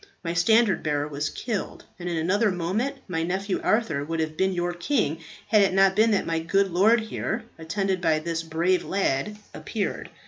My standard bearer was killed, and in another moment my nephew Arthur would have been your king, had it not been that my good lord here, attended by this brave lad, appeared.